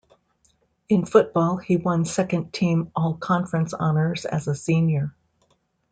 In football, he won second team All-Conference honors as a senior.